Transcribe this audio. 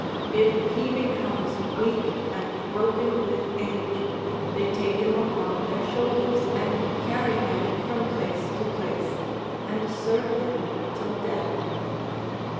If he becomes weak and broken with age, they take him upon their shoulders and carry him from place to place, and serve him till death.